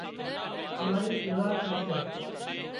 تماري شيوا ڪرشي